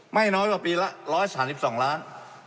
ไม่น้อยกว่าปีละ๑๓๒ล้าน